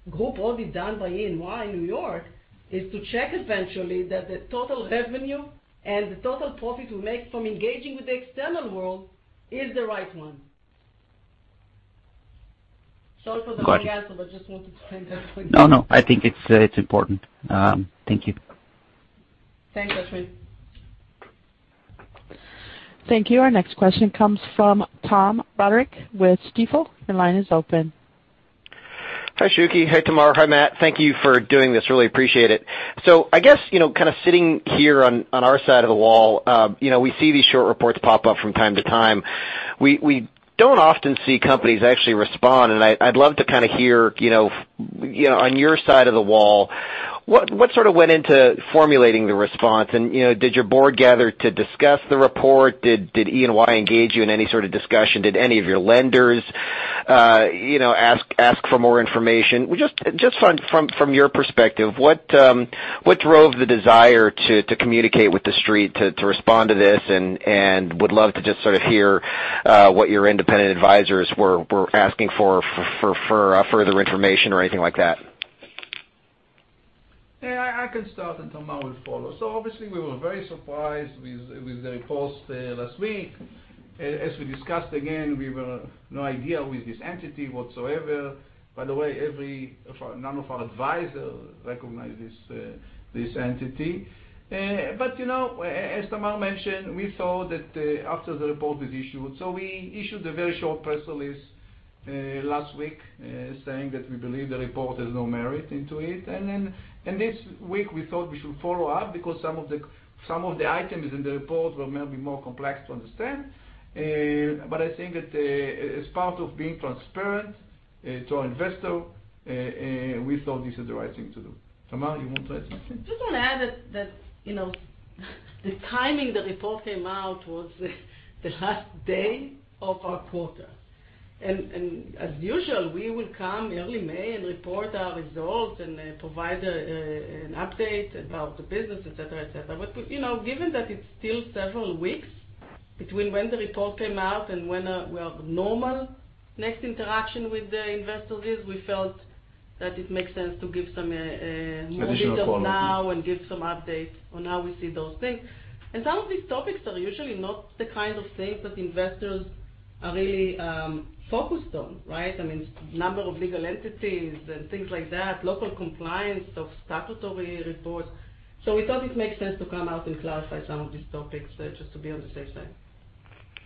group audit done by EY New York, is to check eventually that the total revenue and the total profit we make from engaging with the external world is the right one. Sorry for the long answer, just wanted to frame that quickly. No, I think it's important. Thank you. Thanks, Ashwin. Thank you. Our next question comes from Tom Roderick with Stifel. Your line is open. Hi, Shuky. Hey, Tamar. Hi, Matt. Thank you for doing this. Really appreciate it. I guess, kind of sitting here on our side of the wall, we see these short reports pop up from time to time. We don't often see companies actually respond, and I'd love to hear on your side of the wall, what went into formulating the response, and did your Board gather to discuss the report? Did EY engage you in any sort of discussion? Did any of your lenders ask for more information? Just from your perspective, what drove the desire to communicate with the street to respond to this, and would love to just sort of hear what your independent advisors were asking for further information or anything like that. Yeah, I can start. Tamar will follow. Obviously, we were very surprised with the reports last week. As we discussed, again, no idea with this entity whatsoever. By the way, none of our advisors recognize this entity. As Tamar mentioned, we thought that after the report was issued, we issued a very short press release last week, saying that we believe the report has no merit into it. This week, we thought we should follow up because some of the items in the report were maybe more complex to understand. I think that as part of being transparent to our investor, we thought this is the right thing to do. Tamar, you want to add something? Just want to add that the timing the report came out was the last day of our quarter. As usual, we will come early May and report our results and provide an update about the business, et cetera. Given that it's still several weeks between when the report came out and when our normal next interaction with the investors is, we felt that it makes sense to give some more details now and give some updates on how we see those things. Some of these topics are usually not the kind of things that investors are really focused on, right? I mean, number of legal entities and things like that, local compliance of statutory reports. We thought it makes sense to come out and clarify some of these topics just to be on the safe side.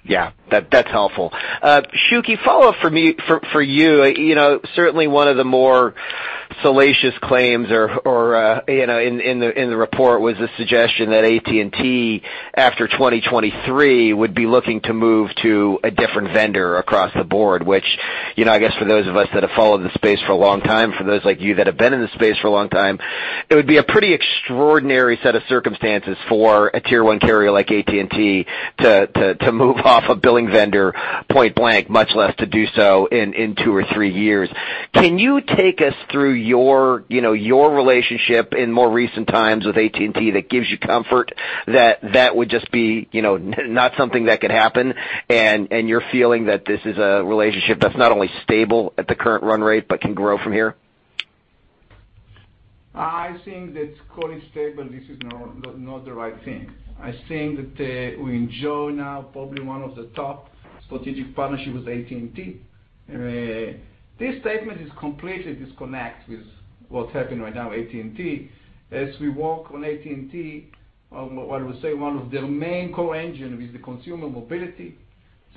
Yeah. That's helpful. Shuky, follow up for you. Certainly, one of the more salacious claims in the report was the suggestion that AT&T, after 2023, would be looking to move to a different vendor across the board, which I guess for those of us that have followed the space for a long time, for those like you that have been in the space for a long time, it would be a pretty extraordinary set of circumstances for a Tier 1 carrier like AT&T to move off a billing vendor point blank, much less to do so in two or three years. Can you take us through your relationship in more recent times with AT&T that gives you comfort that that would just be not something that could happen, and you're feeling that this is a relationship that's not only stable at the current run rate, but can grow from here? I think that call it stable, this is not the right thing. I think that we enjoy now probably one of the top strategic partnerships with AT&T. This statement is completely disconnect with what's happening right now with AT&T. As we work on AT&T, I would say one of their main core engine is the consumer mobility.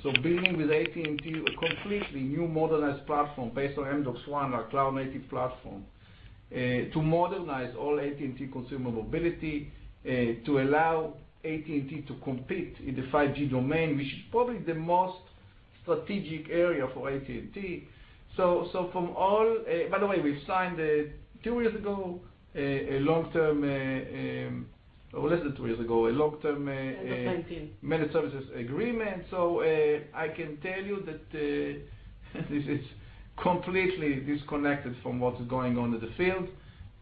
Building with AT&T, a completely new modernized platform based on AmdocsONE, our cloud-native platform, to modernize all AT&T consumer mobility, to allow AT&T to compete in the 5G domain, which is probably the most strategic area for AT&T. By the way, we signed, two years ago, or less than two years ago, a long-term. End of 2019. Managed services agreement. I can tell you that this is completely disconnected from what is going on in the field.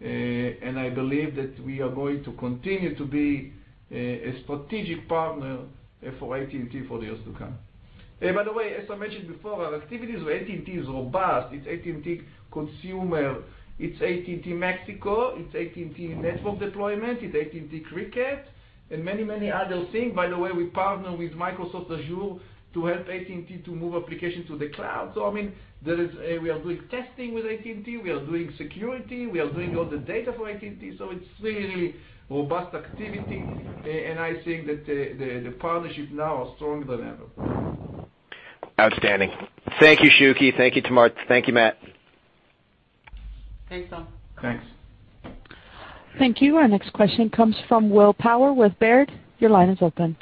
I believe that we are going to continue to be a strategic partner for AT&T for years to come. By the way, as I mentioned before, our activities with AT&T is robust. It's AT&T Consumer, it's AT&T Mexico, it's AT&T network deployment, it's AT&T Cricket, and many, many other things. By the way, we partner with Microsoft Azure to help AT&T to move applications to the cloud. We are doing testing with AT&T, we are doing security, we are doing all the data for AT&T, so it's really robust activity. I think that the partnership now are stronger than ever. Outstanding. Thank you, Shuky. Thank you, Tamar. Thank you, Matt. Thanks, Tom. Thanks. Thank you. Our next question comes from Will Power with Baird. Your line is open.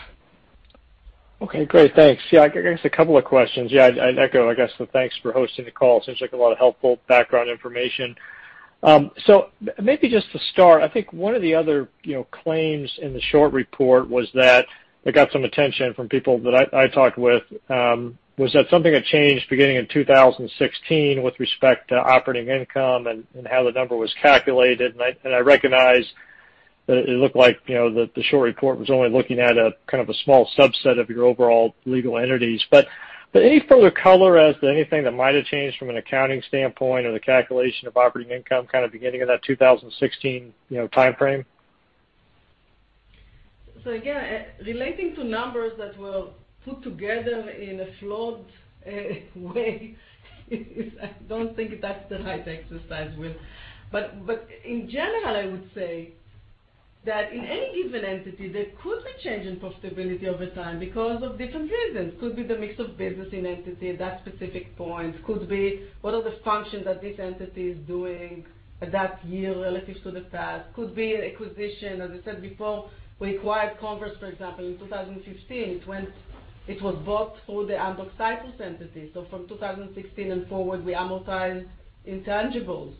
Okay, great. Thanks. A couple of questions. I'd echo, thanks for hosting the call. Seems like a lot of helpful background information. So maybe just to start, I think one of the other claims in the short report was that, it got some attention from people that I talked with, was that something had changed beginning in 2016 with respect to operating income and how the number was calculated. And I recognize that it looked like the short report was only looking at a small subset of your overall legal entities. But any further color as to anything that might have changed from an accounting standpoint or the calculation of operating income beginning in that 2016 timeframe? Again, relating to numbers that were put together in a flawed way, I don't think that's the right exercise, Will. In general, I would say that in any given entity, there could be change in profitability over time because of different reasons. Could be the mix of business in entity at that specific point, could be what are the functions that this entity is doing that year relative to the past. Could be an acquisition. As I said before, we acquired Comverse, for example, in 2015. It was bought through the Amdocs Cyprus entity. From 2016 and forward, we amortize intangibles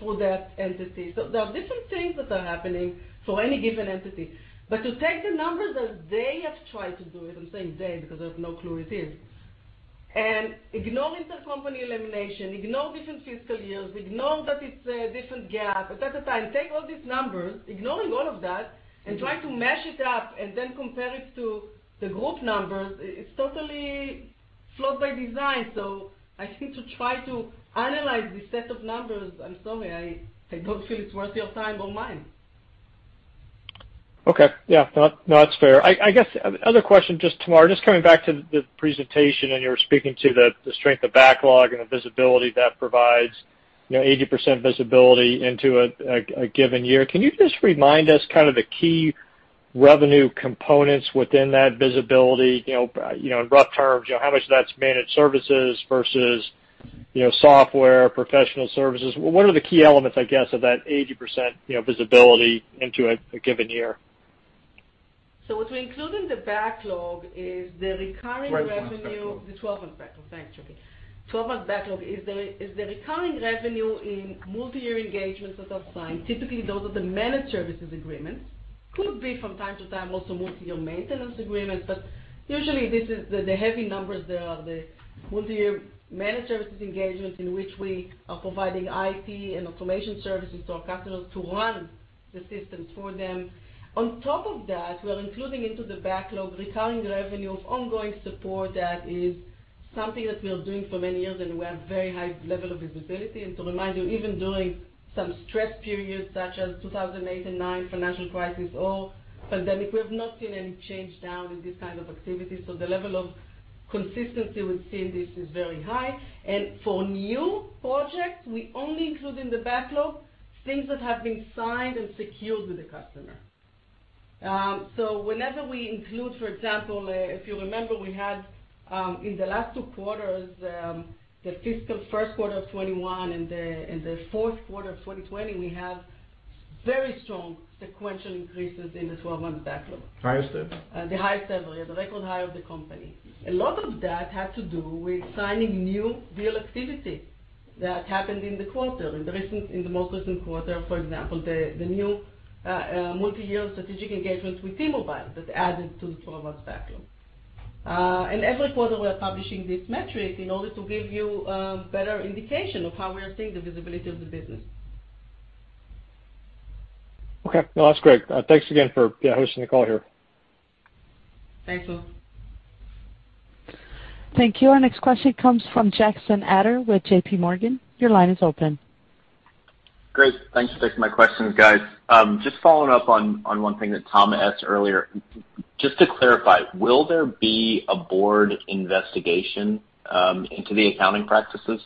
for that entity. There are different things that are happening for any given entity. To take the numbers as they have tried to do it, I'm saying they, because I have no clue who it is, and ignore intercompany elimination, ignore different fiscal years, ignore that it's a different GAAP. At that time, take all these numbers, ignoring all of that, and try to mash it up and then compare it to the group numbers, it's totally flawed by design. I think to try to analyze this set of numbers, I'm sorry, I don't feel it's worth your time or mine. Okay. Yeah. No, that's fair. I guess, other question, just Tamar, just coming back to the presentation, and you were speaking to the strength of backlog and the visibility that provides, 80% visibility into a given year. Can you just remind us the key revenue components within that visibility? In rough terms, how much of that's managed services versus software, professional services? What are the key elements, I guess, of that 80% visibility into a given year? What we include in the backlog is the recurring revenue. 12-month backlog. The 12-month backlog. Thanks, Shuky. 12-month backlog is the recurring revenue in multi-year engagements that are signed. Typically, those are the managed services agreements. Could be from time to time, also multi-year maintenance agreements, but usually the heavy numbers there are the multi-year managed services engagements in which we are providing IT and automation services to our customers to run the systems for them. On top of that, we are including into the backlog recurring revenue of ongoing support. That is something that we are doing for many years, and we have very high level of visibility. To remind you, even during some stress periods such as 2008 and 2009, financial crisis or pandemic, we have not seen any change down in this kind of activity. The level of consistency we've seen, this is very high. For new projects, we only include in the backlog things that have been signed and secured with the customer. Whenever we include, for example, if you remember, we had, in the last two quarters, the fiscal first quarter of 2021 and the fourth quarter of 2020, we have very strong sequential increases in the 12-month backlog. Highest ever. The highest ever, yeah. The record high of the company. A lot of that had to do with signing new real activity that happened in the quarter. In the most recent quarter, for example, the new multi-year strategic engagement with T-Mobile that added to the 12-month backlog. Every quarter, we are publishing this metric in order to give you better indication of how we are seeing the visibility of the business. Okay. No, that's great. Thanks again for hosting the call here. Thanks, Will. Thank you. Our next question comes from Jackson Ader with JPMorgan. Your line is open Great. Thanks for taking my questions, guys. Just following up on one thing that Tom asked earlier. Just to clarify, will there be a Board investigation into the accounting practices?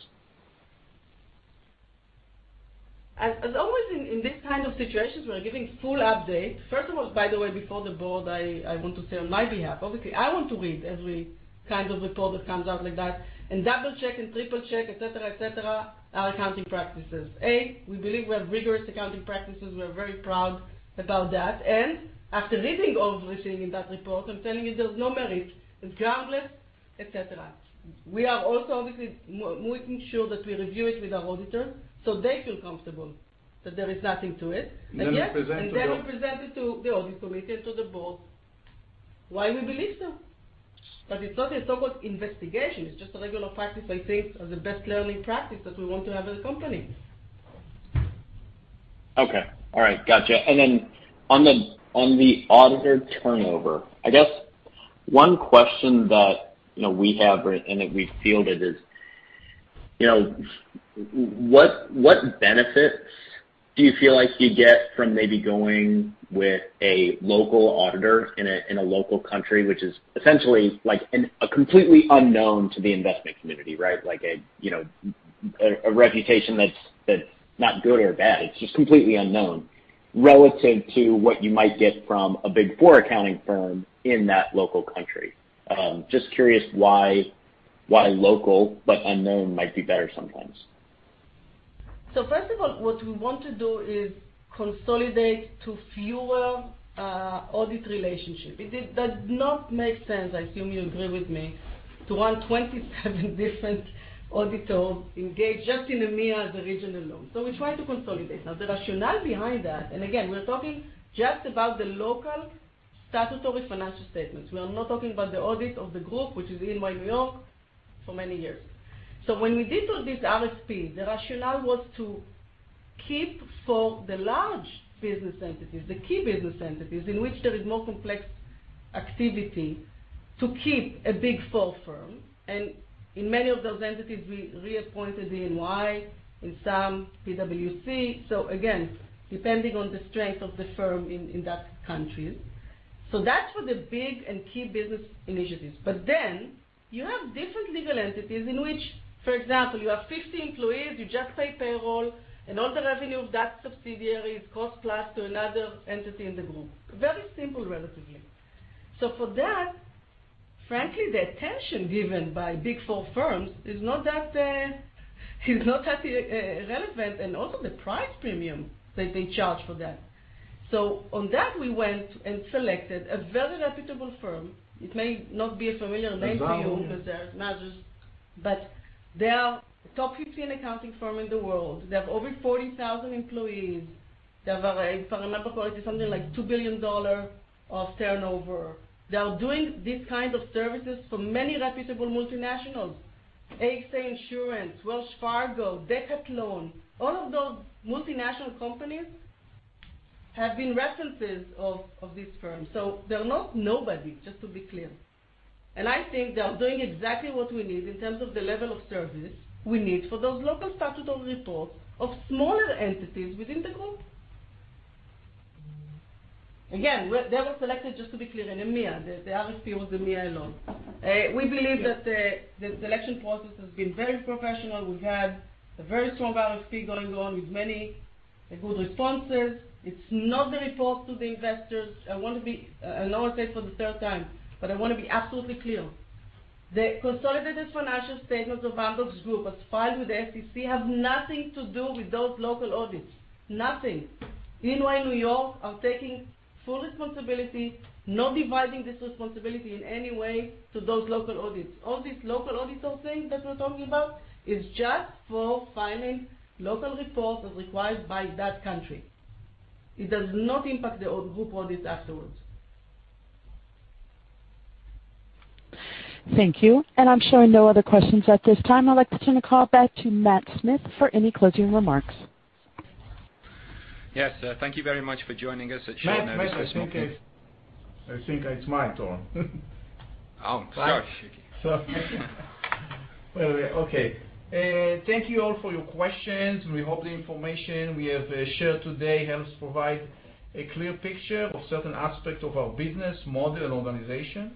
As always, in these kind of situations, we are giving full update. First of all, by the way, before the Board, I want to say on my behalf, obviously, I want to read every kind of report that comes out like that and double-check and triple-check, et cetera, our accounting practices. A, we believe we have rigorous accounting practices. We are very proud about that. After reading everything in that report, I'm telling you, there's no merit, it's groundless, et cetera. We are also obviously making sure that we review it with our auditor so they feel comfortable that there is nothing to it. We present the report. Then we present it to the audit committee and to the Board why we believe so. It's not a so-called investigation. It's just a regular practice, I think, or the best learning practice that we want to have as a company. Okay. All right. Gotcha. On the auditor turnover, I guess one question that we have, and that we fielded is, what benefits do you feel like you get from maybe going with a local auditor in a local country, which is essentially a completely unknown to the investment community, right? A reputation that's not good or bad, it's just completely unknown, relative to what you might get from a Big Four accounting firm in that local country. Just curious why local but unknown might be better sometimes. First of all, what we want to do is consolidate to fewer audit relationship. It does not make sense, I assume you agree with me, to have 27 different auditors engaged just in EMEA, the region alone. We try to consolidate. The rationale behind that, again, we're talking just about the local statutory financial statements. We are not talking about the audit of the group, which is in N.Y., New York for many years. When we did all these RFPs, the rationale was to keep for the large business entities, the key business entities in which there is more complex activity, to keep a Big Four firm. In many of those entities, we reappointed N.Y., in some PwC. Again, depending on the strength of the firm in that country. That's for the big and key business initiatives. You have different legal entities in which, for example, you have 50 employees, you just pay payroll, and all the revenue of that subsidiary is cost plus to another entity in the group. Very simple, relatively. For that, frankly, the attention given by Big Four firms is not that relevant, and also the price premium that they charge for that. On that, we went and selected a very reputable firm. It may not be a familiar name to you. Mazars. They are top 15 accounting firm in the world. They have over 40,000 employees. They have, if I remember correctly, something like $2 billion of turnover. They are doing these kind of services for many reputable multinationals, AXA, Wells Fargo, Decathlon. All of those multinational companies have been references of this firm. They're not nobody, just to be clear. And I think they are doing exactly what we need in terms of the level of service we need for those local statutory reports of smaller entities within the group. They were selected, just to be clear, in EMEA. The RFP was EMEA alone. We believe that the selection process has been very professional. We've had a very strong RFP going on with many good responses. It's not the report to the investors. I will say it for the third time, but I want to be absolutely clear. The consolidated financial statements of Amdocs Group, as filed with the SEC, have nothing to do with those local audits. Nothing. N.Y., New York, are taking full responsibility, not dividing this responsibility in any way to those local audits. All these local audits are saying that we're talking about is just for filing local reports as required by that country. It does not impact the group audits afterwards. Thank you. I'm showing no other questions at this time. I'd like to turn the call back to Matthew Smith for any closing remarks. Yes. Thank you very much for joining us at short notice. Matt, I think it's my turn. Oh, Shuky. Okay. Thank you all for your questions. We hope the information we have shared today helps provide a clear picture of certain aspects of our business model and organization.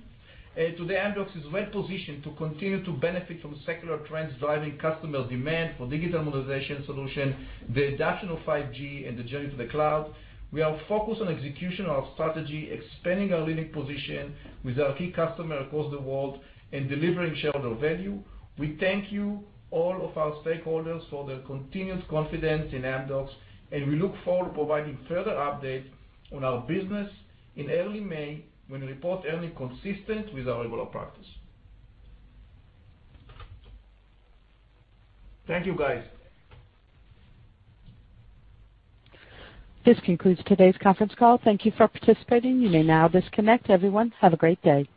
Today, Amdocs is well-positioned to continue to benefit from secular trends driving customer demand for digital modernization solution, the adoption of 5G, and the journey to the cloud. We are focused on execution of our strategy, expanding our leading position with our key customer across the world, and delivering shareholder value. We thank you, all of our stakeholders, for the continuous confidence in Amdocs, and we look forward to providing further updates on our business in early May when we report earnings consistent with our regular practice. Thank you, guys. This concludes today's conference call. Thank you for participating. You may now disconnect. Everyone, have a great day.